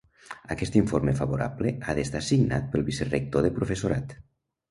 Aquest informe favorable ha d'estar signat pel vicerector de professorat.